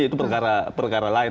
itu perkara lain